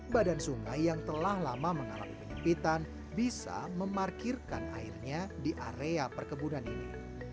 badan sungai yang telah lama mengalami penyempitan bisa memarkirkan airnya di area perkebunan ini